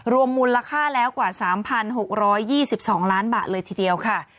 รวมมูลค่าแล้วกว่า๓๖๒๒ล้านบาทเลยทีเดียวค่ะ